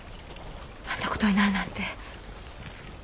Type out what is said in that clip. あんな事になるなんて。